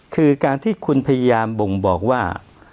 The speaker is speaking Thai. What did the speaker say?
คือการที่คุณพยายามบ่งบอกว่า